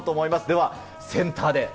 ではセンターで。